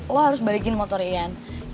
lo harus balikin motor ian